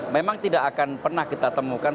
memang tidak akan pernah kita temukan